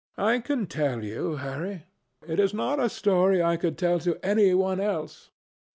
"I can tell you, Harry. It is not a story I could tell to any one else.